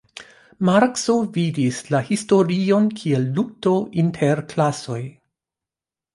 Markso vidis la historion kiel lukto inter klasoj.